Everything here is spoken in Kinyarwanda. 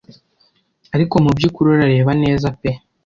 ariko mubyukuri urareba neza pe